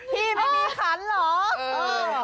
ใครออกแบบห้องน้ำวะ